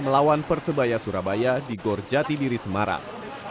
melawan persebaya surabaya di gorjati diri semarang